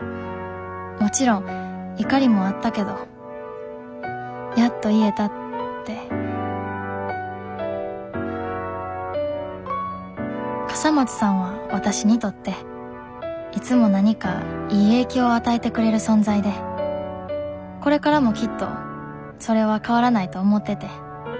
もちろん怒りもあったけどやっと言えたって笠松さんはわたしにとっていつも何かいい影響を与えてくれる存在でこれからもきっとそれは変わらないと思ってて。